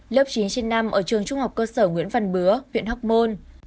lớp chín trên năm ở trường trung học cơ sở nguyễn văn bứa huyện hóc môn